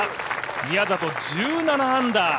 宮里、１７アンダー。